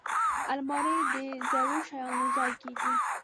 الماري د زړو شیانو ځای کېږي